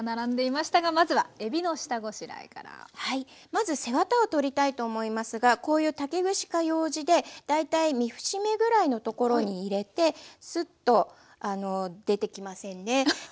まず背ワタを取りたいと思いますがこういう竹串かようじで大体３節目ぐらいのところに入れてスッと出てきませんね。